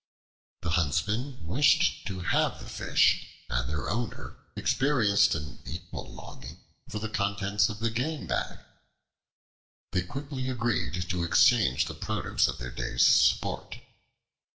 The Huntsman wished to have the fish, and their owner experienced an equal longing for the contents of the game bag. They quickly agreed to exchange the produce of their day's sport.